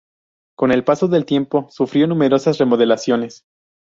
Con el paso del tiempo sufrió numerosas remodelaciones.